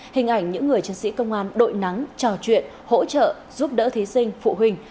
hình ảnh những người chiến sĩ công an đội nắng trò chuyện hỗ trợ giúp đỡ thí sinh phụ huynh